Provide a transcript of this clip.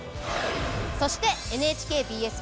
そしてＮＨＫＢＳ